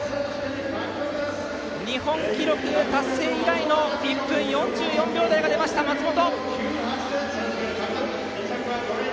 日本記録達成以来の１分４４秒台が出ました、松元。